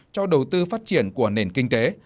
cho đầu tư phát triển của nền kinh tế